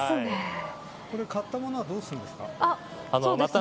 これ買ったものはどうするんですか。